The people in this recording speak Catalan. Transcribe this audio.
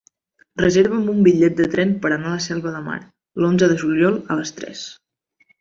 Reserva'm un bitllet de tren per anar a la Selva de Mar l'onze de juliol a les tres.